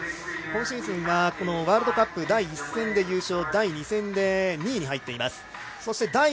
今シーズンはワールドカップ第１戦で優勝第２戦で２位に入っています。